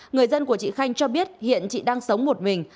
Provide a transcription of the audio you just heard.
người dân của chị khanh cho biết hiện chị đang sống một mình